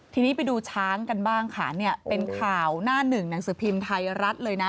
ทีนี้ไปดูช้างกันบ้างค่ะเนี่ยเป็นข่าวหน้าหนึ่งหนังสือพิมพ์ไทยรัฐเลยนะ